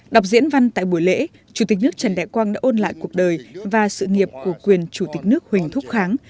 đọc diễn văn tại buổi lễ chủ tịch nước trần đại quang đã ôn lại cuộc đời và sự nghiệp của quyền chủ tịch nước huỳnh thúc kháng